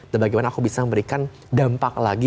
the bagaimana aku bisa memberikan dampak lagi